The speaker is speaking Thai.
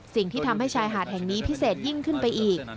สิ่งที่ทำให้ชายหาดแห่งนี้พิเศษยิ่งขึ้นไปอีก